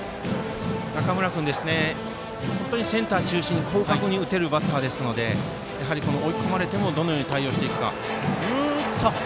中村君、本当にセンター中心に広角に打てるバッターですから追い込まれてもどのように対応していくか。